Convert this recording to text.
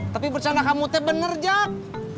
tapi bercanda kamu teh bener jak